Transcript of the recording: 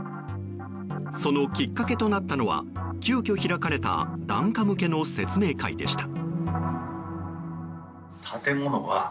そのきっかけとなったのは急きょ開かれた檀家向けの説明会でした。